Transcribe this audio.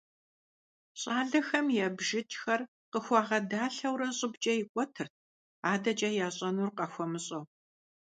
Щӏалэхэм я бжыкӀхэр къыхуагъэдалъэурэ щӀыбкӀэ икӀуэтырт, адэкӀэ ящӀэнур къахуэмыщӀэу.